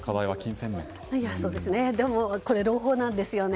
でも、これ朗報なんですよね。